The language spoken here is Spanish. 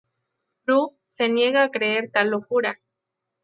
Prue se niega a creer tal locura.